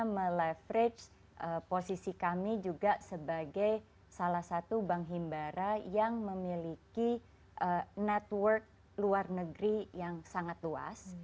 meleverage posisi kami juga sebagai salah satu bank himbara yang memiliki network luar negeri yang sangat luas